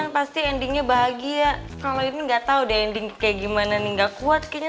pasti endingnya bahagia kalau ini nggak tahu deh ending kayak gimana nih enggak kuat kayaknya